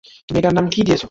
তুমি এটার কী নাম দিয়েছ?